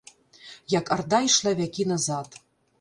Як арда ішла вякі назад.